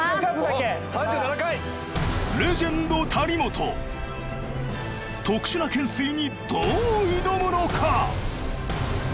レジェンド谷本特殊な懸垂にどう挑むのか！？